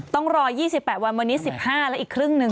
ต้องรอ๒๘วันวันนี้๑๕แล้วอีกครึ่งหนึ่ง